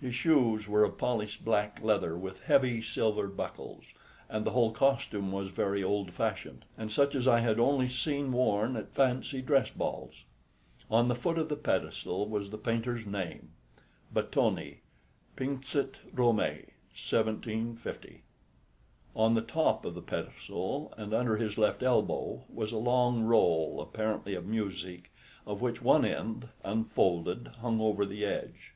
His shoes were of polished black leather with heavy silver buckles, and the whole costume was very old fashioned, and such as I had only seen worn at fancy dress balls. On the foot of the pedestal was the painter's name, "BATTONI pinxit, Romæ, 1750." On the top of the pedestal, and under his left elbow, was a long roll apparently of music, of which one end, unfolded, hung over the edge.